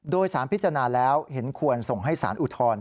โดยสารพิจารณาแล้วเห็นควรส่งให้สารอุทธรณ์